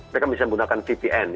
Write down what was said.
mereka bisa menggunakan vpn